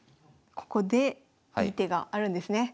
ここでいい手があるんですね。